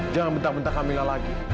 jangan bentar bentar kamila lagi